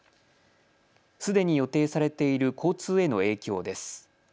すでに予定されている交通への影響です。